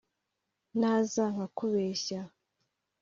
naza nkakubeshya